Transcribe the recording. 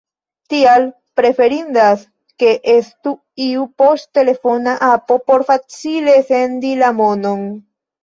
Tial preferindas ke estu iu poŝtelefona apo por facile sendi la monon.